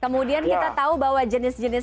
kemudian kita tahu bahwa jenis jenis